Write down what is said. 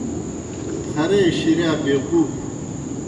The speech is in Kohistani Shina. خرے شِرِیا بیقوف